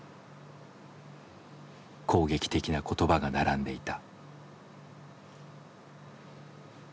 攻撃的な言葉が並んでいた。